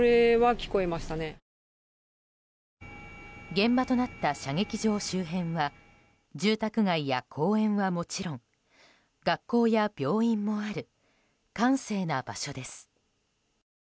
現場となった射撃場周辺は住宅街や公園はもちろん学校や病院もある閑静な場所です。